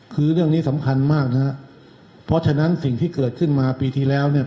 คือเรื่องนี้สำคัญมากนะฮะเพราะฉะนั้นสิ่งที่เกิดขึ้นมาปีที่แล้วเนี่ย